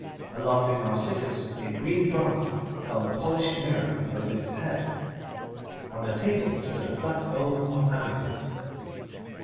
A laughing Narcissus in green bronze held a polished mirror above its head. On the table stood a flat bowl of amethyst.